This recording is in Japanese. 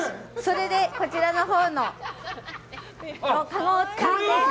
それで、こちらのかごで。